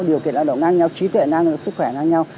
điều kiện lao động ngang nhau trí tuệ ngang nhau sức khỏe ngang nhau